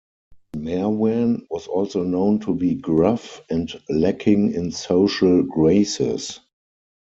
Marwan was also known to be gruff and lacking in social graces.